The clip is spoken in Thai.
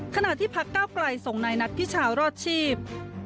ขณะที่พักเก้าไกลส่งนายนัทพิชารอดชีพ